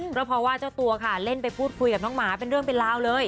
เพราะว่าเจ้าตัวค่ะเล่นไปพูดคุยกับน้องหมาเป็นเรื่องเป็นราวเลย